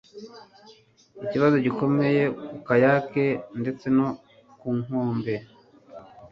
ikibazo gikomeye ku kayake ndetse no ku nkombe